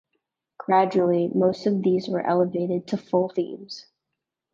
Gradually, most of these were elevated to full themes.